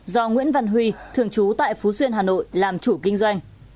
do nguyễn văn huy thường trú tại phú xuyên hà nội làm chủ kinh doanh